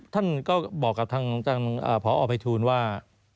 ท่านก็บอกกับทางพอภัยทูลว่า